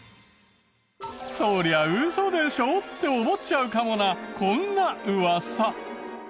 そりゃウソでしょ！って思っちゃうかもなこんなウワサ。